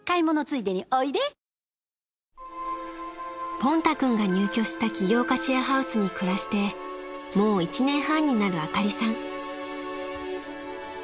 ［ポンタ君が入居した起業家シェアハウスに暮らしてもう１年半になるあかりさん］